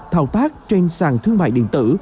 thao tác trên sàn thương mại điện tử